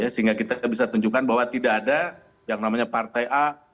sehingga kita bisa tunjukkan bahwa tidak ada yang namanya partai a